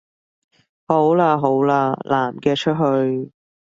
好喇好喇，男嘅出去